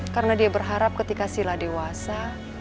karena dia berharap ketika sila dewasa